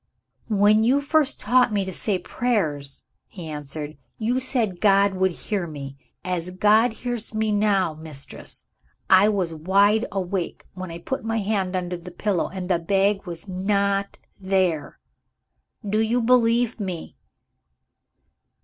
"When you first taught me to say my prayers," he answered, "you said God would hear me. As God hears me now Mistress, I was wide awake when I put my hand under the pillow and the bag was not there. Do you believe me?"